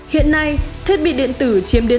hiện nay thiết bị điện tử chiếm đến tám mươi